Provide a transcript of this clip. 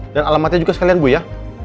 alamatnya juga sekalian bu ya